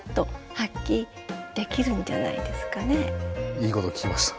いいこと聞きました。